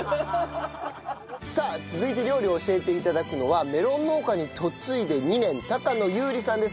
さあ続いて料理を教えて頂くのはメロン農家に嫁いで２年高野祐里さんです。